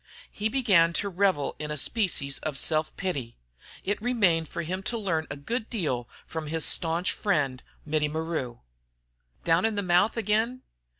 He began to revel in a species of self pity. It remained for him to learn a good deal from his stanch friend, Mittie Maru. "Down in the mouth agin?